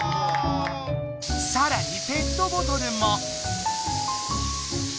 さらにペットボトルも。